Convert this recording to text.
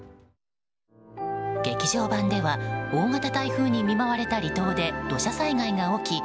劇場版では大型台風に見舞われた離島で土砂災害が起き